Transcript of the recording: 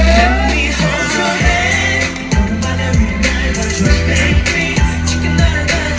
เยี่ยมมาก